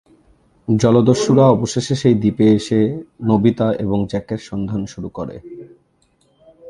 জলদস্যুরা অবশেষে সেই দ্বীপে এসে নোবিতা এবং জ্যাকের সন্ধান শুরু করে।